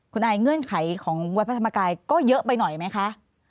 คุณอายเงื่อนไขของวัดพระธรรมกายก็เยอะไปหน่อยไหมคะ